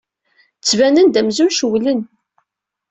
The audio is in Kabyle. Ttbanen-d amzun cewwlen.